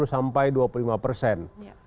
dua puluh sampai dua puluh lima persen